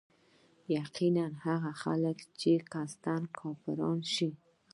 يقيناً هغه خلک چي قصدا كافران شوي